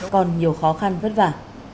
còn nhiều khó khăn vất vả